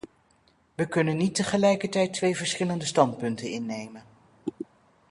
We kunnen niet tegelijkertijd twee verschillende standpunten innemen.